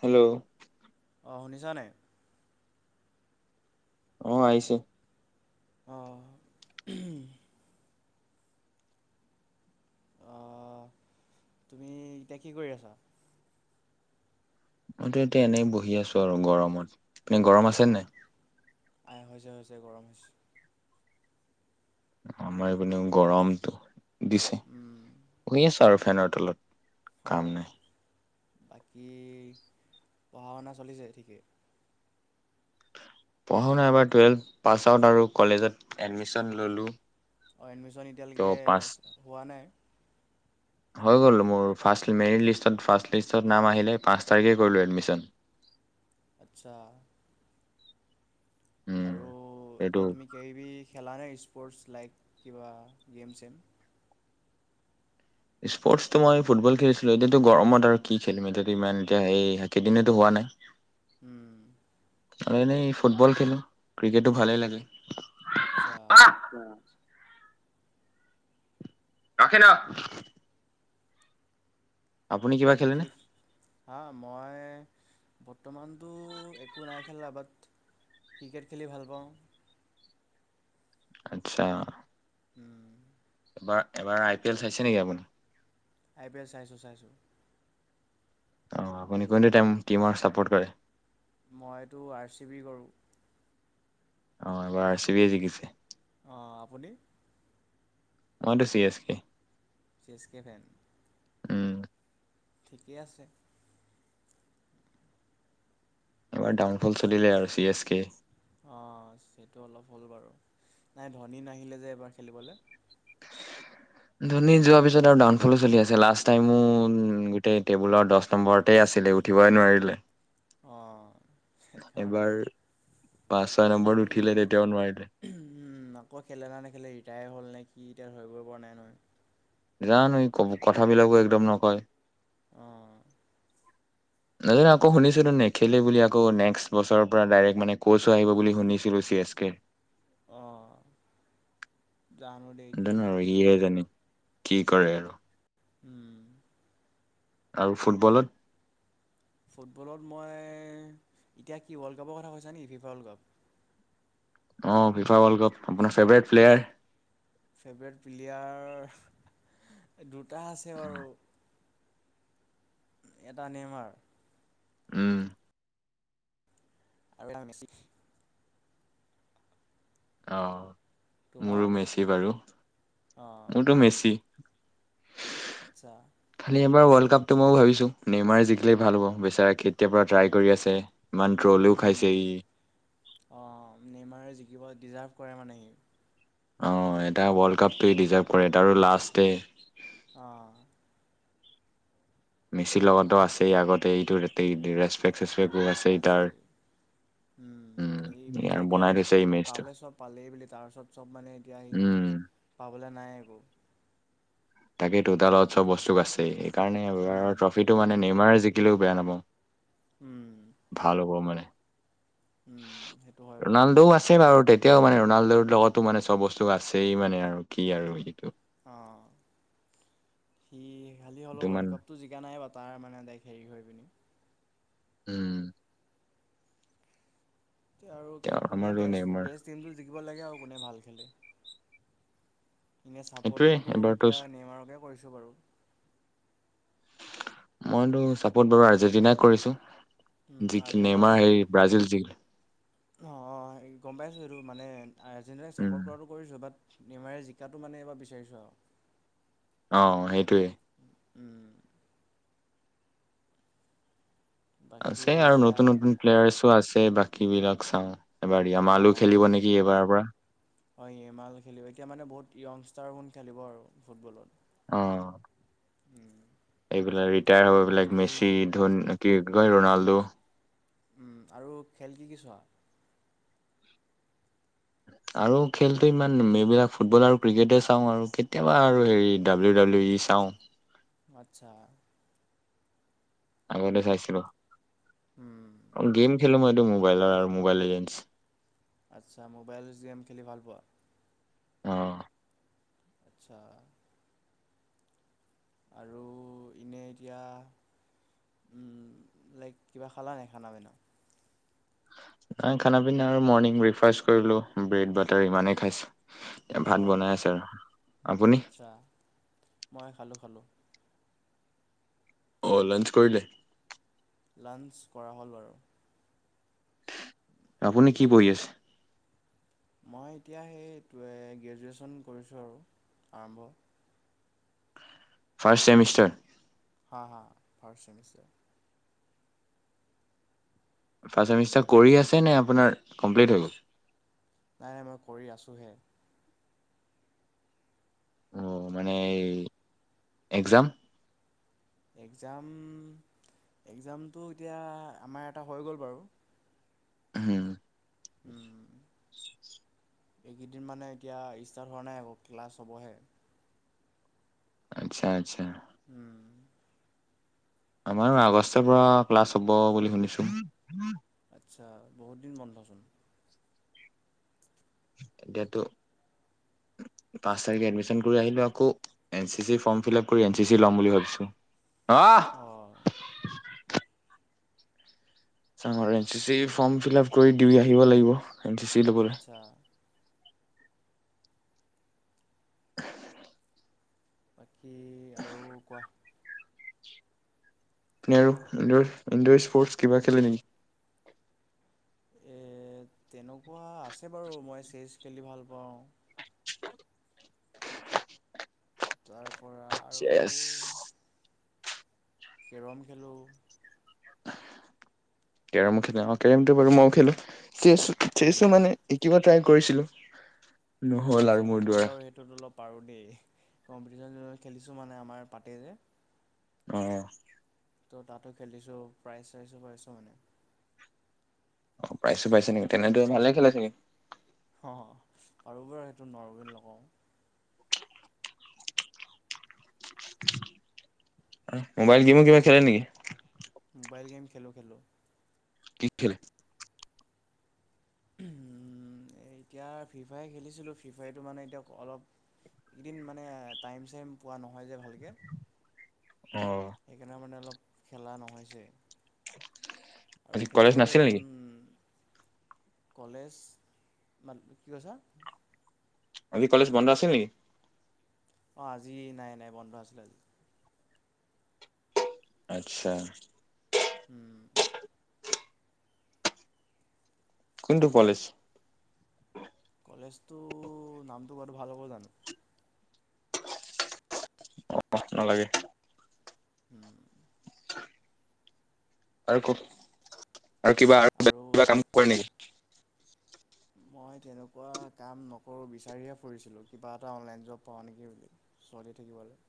Hello. অ' শুনিছ নে অ' আহিছে। অ' অহ, তুমি এতিয়া কি কৰি আছা? মইতো এতিয়া এনেই বহি আছো আৰু গৰমত। আপনি [unintelligible] গৰম আছে নে আ হৈছে হৈছে গৰম হৈছে। আমাৰ এইপিনিও গৰমটো। দিছে, উম শুই আছু আৰু ফেনৰ তলত। অঁ কাম নাই। বাকী, পঢ়া শুনা চলিছে ঠিকেই? পঢ়ো নাইবাৰ টুৱেলভ পাছ আউট আৰু কলেজত এডমিশন ল'লো। অ' এডমিশ্যন ত' এতিয়ালৈকে পাছ হোৱা নাই। হৈ গ'ল মোৰ ফাৰ্ষ্ট মেৰিট লিষ্টত ফাৰ্ষ্ট লিষ্টত নাম আহিলে পাঁচ তাৰিখে কৰিলোঁ এডমিশন। আচ্ছা উম আৰু এইটো এতিয়া তুমি কিবা-কিবি খেলা নে? স্পৰ্টছ লাইক কিবা গেমছ ছেম? স্পৰ্টছটো মই ফুটবল খেলিছিলো এতিয়াতো গৰমত আৰু কি খেলিম এতিয়াতো ইমান এতিয়া সেই কেইদিনো হোৱা নাই। উম আৰু এনেই ফুটবল খেলো। ক্ৰিকেটো ভালেই লাগে। আচ্ছা ৰাখে ন আপুনি কিবা খেলেনে? বাকী হা মই বৰ্তমানতটো একো নাই খেলা বাট ক্ৰিকেট খেলি ভাল পাওঁ। আত্ছা উম। এবাৰ, এবাৰ আই পি এল চাইছে নেকি আপুনি। আই পি এল চাইছো চাইছো। অ আপুনি কোনটো টিম চাপৰ্ট কৰে। মইতো আৰ চি বি কৰোঁ। অ এবাৰ আৰ চি বি য়ে জিকিছে। অঁ, আপুনি? মইতো C S K. C S K. উম, ঠিকেই আছে। এবাৰ ডাউনফল চলিলে আৰু চি এছ কে। অ সেইটো অলপ হ'ল বাৰু নাই ধনী নাহিলে যে এবাৰ খেলিবলৈ। ধনী যোৱাৰ পিছত আৰু ডাউনফলো চলি আছে। লাষ্ট টাইমো গোটেই টেবুলৰ দছ নম্বৰতে আছিলে উঠিবই নোৱাৰিলে। অঁ সেই কাৰণে এইবাৰ পাঁচ ছয় নম্বৰত উঠিলে তেতিয়াও নোৱাৰিলে। উম, আকৌ খেলে নে নেখেলে ৰিটায়াৰ হ'ল নে কি? এতিয়া ধৰিব পৰা নাই নহয়। জানো, এই ক-কথাবিলাকো একদম নকয়। অ নাজানো, আকৌ শুনিছিলো নেখেলে বুলি আকৌ নেক্সট বছৰৰ পৰা ডাইৰেক্ট মানে ক'ছ হৈ আহিব বুলি শুনিছিলো চি এছ কে। অ এইতো আৰু ইহে জানে কি কৰে আৰু? উম, আৰু ফুটবলত? ফুটবলত মই এতিয়া কি ৱৰ্ল্ড কাপৰ কথা কৈছা নেকি ফিফা ৱৰ্ল্ড কাপ? অ ফিফা ৱৰ্লড কাপ আপোনাৰ ফেভৰেত প্লেয়াৰ। ফেভৰেট প্লেয়াৰ দু এতা আছে বাৰু এটা নেমাৰ, উম, আৰু অহা নাছিল অ'। তোমাৰ মোৰো মেচি বাৰু অঁ মোৰতো মেচি। আচ্ছা। খালি এবাৰ ৱৰ্ল্ড কাপটো মই ভাবিছো নেইমাৰে জিকিলেই ভাল হব বেচাৰে কেতিয়াৰ পৰাা ট্ৰাই কৰি আছে ইমান ট্ৰলও খাইছে উম ই, শিকিব ডিজাৰ্ভ কৰে মানে সি। অ', এটা ৱৰ্ল্ড কাপটোৱে ডিজাৰ্ভ কৰে তাৰো লাষ্ট ডে অ', মেচিৰ লগতো আছেই আগতে এইটো চেচপেক্টো এটা আছেই তাৰ আছে। উম সি মেচি আৰু এতিয়া বনাই থৈছে এই মেচটো পালে চব পালেই বুলি তাৰপিছত চব মানে এতিয়া সি উম পাবলে নাই একো। তাকেই টো তাৰ লগত চব বস্তু আছেই। স কাৰণে উম এবাৰৰ ট্ৰফিটো মানে নেমাৰ জিকিলেও বেয়া উম নাপাওঁ। ভাল হ'ব মানে? উম সেইটো হয় বাৰু ৰনাল্ডোও আছে বাৰু দে এতিয়াও মানে ৰনাল্ডৰ লগতো মানে চব বস্তু আছেই মানে আৰু কি আৰু এইটো। অ, সি খালি হলেও ৱলড তোমাৰ কাপটো জিকা নাই বা তাৰ মানে তাইক হেৰি কৰি পিনি উ আৰু তেওঁ কোনে আমাৰতো বেচ নেইমাৰ বেচ টিমটো জিকিব লাগে আৰু কোনে ভাল খেলে? এনে এইটোৱে চাপৰ্টটোতো এবাৰতো এতিয়া নেমাৰকে কৰি তু বাৰু। মইতো চাপত বাৰু আৰ্জেন্টিনাই কৰিছো। যি কি নেমাৰেই ব্ৰাজিল জিকি অ, অ গম পাইছো এইটো মানে আৰ্জেণ্টিনাক উম চাপৰ্ট কৰাটো কৰিছো বাত নিমাৰে জিকাটো মানে এইবাৰ বিচাৰিছো আৰু। অ সেইটোৱে। উম। বাকী আছে আৰু এতিয়া নতুন নতুন প্লেয়াৰছো আছে। তে বাকী বিলাক চাও। এইবাৰ ৰিমালো অঁ খেলিব নেকি এইবাৰৰ পৰা। ষ্টাৰ গুণ খেলিব আৰু ফুটবলত। অ উম, এইবিলাক ৰিটায়াৰ হব বিলাক বাকী মেচি, ধোন কি গৈ ৰোনাল্ডো উম আৰু খেল কি কি চোৱা? আৰু খেলটো ইমান এইবিলাক ফুটবল আৰু ক্ৰিকেটে চাওঁ আৰু কেতিয়াবা আৰু হেৰি ডাব্লিউ ডাব্লিউ ই চাওঁ। আচ্ছা। আগতে চাইছিলো। উম অ গেম খেলো ম এ মোবাইল আৰু মোবাইলৰ এডছ টো আচ্ছা মোবাইলচ গেম খেলি ভাল পোৱা। অহ। আচ্ছা। আৰু এনেই এতিয়া, উম লাইক কিবা খালা নাই খানা বেনা? নাই খানা পিনা আৰু মৰ্ণিং ব্ৰেকফাষ্ট কৰিলো ব্ৰেড বাটাৰ ইমানেই খাইছো। এ ভাত অঁ বনাই আছে আৰু আপুনি। আচ্ছা মই খালোঁ খালোঁ অ লাঞ্চ কৰিলে। লাঞ্চ কৰা হ'ল বাৰু আপুনি কি পঢ়ি আছে? মই এতিয়া সেই গ্ৰেজুৱেশ্যন কৰিছোঁ আৰু আৰম্ভ ফাৰ্ষ্ট ছেমিৰ্ষ্টাৰ হা হা ফাৰ্ষ্ট ছেমিৰ্ষ্টাৰ। ফাৰ্ষ্ট ছেমিষ্টাৰ কৰি আছে নে আপোনাৰ কমপ্লিট হৈ গ'ল? নাই নাই মই কৰি আছোহে। অ মানে এই একজাম? একজাম এক্জামটো এতিয়া আমাৰ এটা হৈ গ'ল বাৰু হ'ম উ'ম এইকেইদিন মানে এতিয়া ষ্টাৰ্ট হোৱা নাই আকৌ ক্লাছ হ'বহে আৰু আচ্ছা আচ্ছা উ'ম আমাৰ আগষ্টৰ পৰা ক্লাছ হব বুলি শুনিছো আচ্ছা বহুত দিন বন্ধচোন। এতিয়াতো পাঁচ তাৰিখে এডমিচন কৰি আহিলো আকৌ N C C form fill up কৰি এন চি চি ল'ম বুলি ভাবিছোঁ। আহ অ [unintelligible] N C C form fill up কৰি দি আহিব লাগিব। এন চি চি লবলে। আচ্ছা কি আৰু কোৱা? আৰু ইনডৰ স্পৰ্টছ কিবা খেলে নেকি? এ তেনেকুৱা আছে বাৰু মই চেচ খেলি ভাল পাওঁ। তাৰ পৰা চেচ। কেৰম খেলোঁ কেৰম খেলেন কেৰমটো বাৰু মইও খেলো। চ চেচু মানে শিকিব টাই কৰিছিলো আচছা মই বাৰু সেইটোত অলপ পাৰো দেই। কম্পিটিশন খেলিছো মানে আমাৰ পাতে যে। অ তাতো খেলিছো প্ৰাইজ চাইজো পাইছো মানে। অ পাইছো পাইছো নেকি তেনেত ভালে খেলা চাগে। অ পাৰো বাৰু সেইটো নোৱাৰো বুলি নকওঁ। মোবাইল গেম কিবা খেলে নেকি? খেলো খেলোঁ। কি খেল? এতিয়া ফ্ৰী ফায় খেলিছিলোঁ ফ্ৰী ফায়টো মানে এতিয়া অলপ এইকেইদিন মানে টাইম চাইম পোৱা নহয় যে ভালকৈ অ সেইকাৰণে মানে অলপ খেলা নহৈছে। আজি আৰু কলেজ খেলিবই নাছিল দেখোন, নেকি কলেজ, মা কি কৈছা? আজি কলেজ বন্ধ আছিল নেকি? অ আজি নাই নাই বন্ধ আছিলে আজি। আচ্ছা। উম। কোনটো বুৱালিছ কলেজটো নামটো কোৱাটো ভাল হ'ব জানো? অ নালাগে। উম আৰু কত আৰু কিবা আৰু কিবা কাম কৰে নেকি? মই তেনেকুৱা কাম নকৰো বিচাৰহে ফুৰিছিলো কিবা এটা অনলাইন জব পাওঁ নেকি বুলি চলি থাকিবলৈ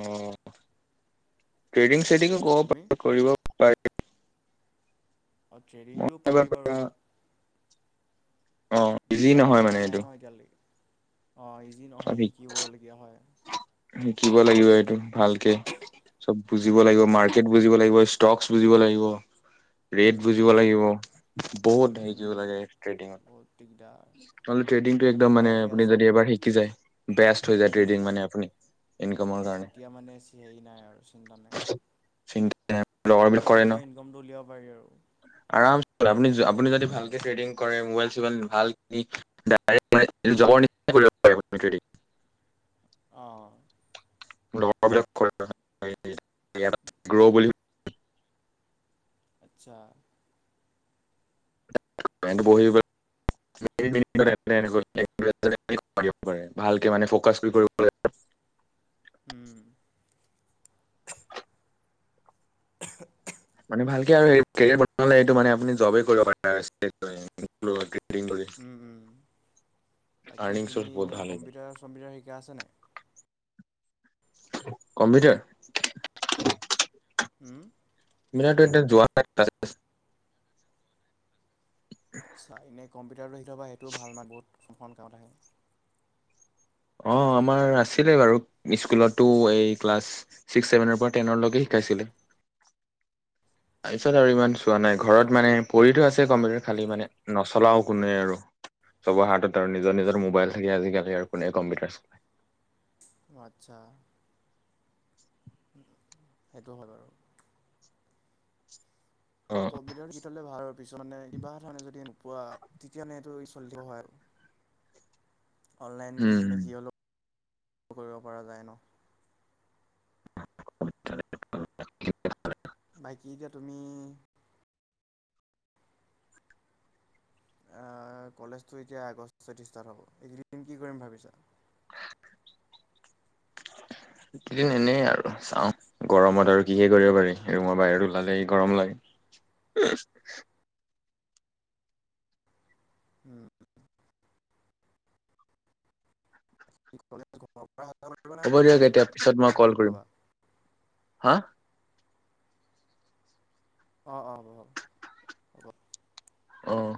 অ ট্ৰেডিং শ্ৰেদিং ও কব তুমি প কৰিব পাৰি। অ মই ট্ৰেডিংটো এইবাৰ পাৰি পৰা বাৰু বাট অ ইজি নহয় মানে এইটো অ ইজি নহয় শিকিবলগীয়া হয়। শিকিব লাগিব এইটো ভালকে। চব বুজিব উম, লাগিব মাৰ্কেট বুজিব লাগিব ষ্টক বুজিব লাগিব। ৰেট উম, বুজিব লাগিব উ বহুত শিকিব উম, লাগে ট্ৰেডিঙত বহুত দিগদাৰ ট্ৰেডিং টো একদম তোমাৰ মানে এতিয়া আপুনি চব যদি এবাৰ যাই বেষ্ট হৈ যায় উম, ট্ৰেডিং মানে আপুনি ইনকামৰ কাৰণে তেতিয়া মানে হেৰি চি ইয়াৰ নিজৰ ইনকমটো উলিয়াব পাৰি আৰু আৰাম আপুনি আপুনি যদি ভালকে ট্ৰেডিং কৰে মবাইল চবাইল ভাল কিনি [unintelligible] অঁ। লগৰবিলাক গ্ৰ বুলি আচ্ছা [unintelligible] ভালকে মানে ফকাছ কৰি কৰিব [unintelligible] উম। [unintelligible] [unintelligible] মানে ভালকে আৰু কেৰিয়াৰ বনালে এইটো মানে আপুনি জবেই কৰিব পাৰে [unintelligible] [unintelligible] উম, উম। বাকী আৰ্নিং চৰ্চ তুমি বহুত ভাল এনেই হৈ যায় কম্পিউটাৰ চম্পিউটাৰ শিকা আছে নে? কম্পিউটাৰ। উম মিনট এট যোৱা্ অট্চা কম্প ভটাৰটোখি থবা সেইটোও ভাল মান বহুতখন কামত আহে। অঁ আমাৰ আছিলে বাৰু স্কুলতো এই ক্লাছ ছিক্স ছেভেনৰ পৰা টেনৰলৈকে শিকাইছিলে। তাৰপিছত আৰু ইমান চোৱা নাই অ', ঘৰত মানে। পঢ়তো আছে অ', কম্পিউটাৰ খালি মানে ন। চলাওঁ কোনে আৰু চবৰ হাতত আৰু নিজৰ নিজৰ মোবাইল থাকে আজিকালি আৰু কোনে কম্পিউটাৰ চায়। অ আচ্ছা। সেইটো হয় বাৰু। অ কম্পিউটাৰ গীতলে ভাল আৰু পিছত মানিবা এটা নে যদি। পোৱা তেতিয়াানে এইটো চলিব হয় আৰু। অনলাইন উম মানে যি হ'লেও কৰিব পৰা যায় ন? [unintelligible] বাকী এতিয়া তুমি। কলেজ এতিয়া আগষ্ট ষ্টাৰ্ট হব এইকেদিন কি কৰিম ভাবিছা? এইদিন এনেই আৰু চাওঁ গৰমত আৰু কিহে কৰিব পাৰি ৰুমৰ বাহিৰত ওলালেই গৰম লাগে। উম। কলে হ'ব দিয়ক এতিয়া পিছত মই কল কৰিম। ল'বা। হা? অ, অ, অ হ'ব হ'ব। অহ।